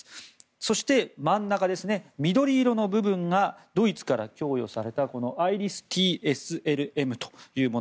そして、真ん中緑色の部分がドイツから供与されたＩＲＩＳ‐ＴＳＬＭというもの。